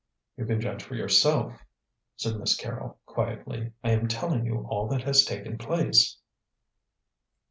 "You can judge for yourself," said Miss Carrol, quietly. "I am telling you all that has taken place."